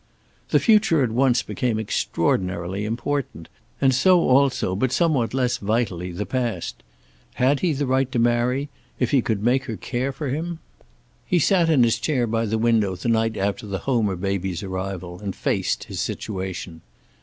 The future at once became extraordinarily important and so also, but somewhat less vitally, the past. Had he the right to marry, if he could make her care for him? He sat in his chair by the window the night after the Homer baby's arrival, and faced his situation.